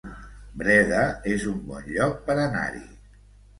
Breda es un bon lloc per anar-hi